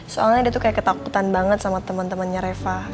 soalnya dia tuh kayak ketakutan banget sama teman temannya reva